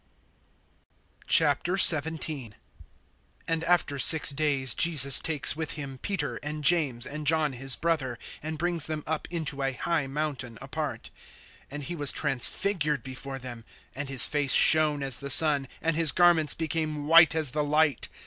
XVII. AND after six days Jesus takes with him Peter, and James, and John his brother, and brings them up into a high mountain apart. (2)And he was transfigured before them; and his face shone as the sun, and his garments became white as the light.